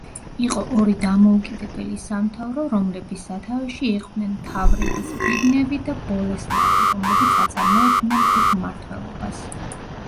იყო ორი დამოუკიდებელი სამთავრო რომლების სათავეში იყვნენ მთავრები ზბიგნევი და ბოლესლავი რომლებიც აწარმოებდნენ თვითმმართველობას.